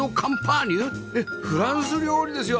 えっフランス料理ですよ！